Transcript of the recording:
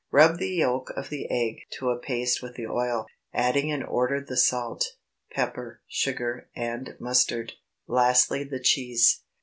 Rub the yolk of the egg to a paste with the oil, adding in order the salt, pepper, sugar, and mustard, lastly the cheese.